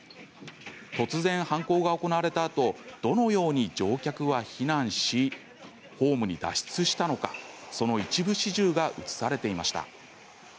突然、犯行が行われたあとどのように乗客は避難しホームに脱出したのかその一部始終が映されていました。